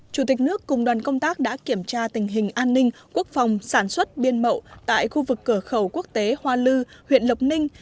chủ tịch nước cùng đoàn công tác đã kiểm tra tình hình an ninh quốc phòng sản xuất biên mậu tại khu vực cửa khẩu quốc tế hoa lư huyện lộc ninh